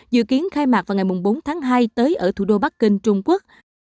dự kiến khai mạc vào ngày bốn tháng hai tới ở thủ đô bắc kinh trung quốc